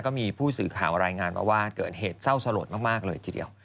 ก็มีผู้สื่อข่าวรายงานมาว่าเกิดเหตุเศร้าสลดมากเลยทีเดียว